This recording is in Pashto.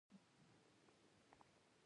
یوه ورځ به پلونه ګوري د پېړۍ د کاروانونو